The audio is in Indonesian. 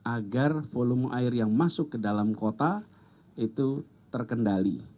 agar volume air yang masuk ke dalam kota itu terkendali